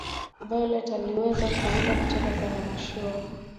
violet aliweza kuruka kutoka kwenye mashua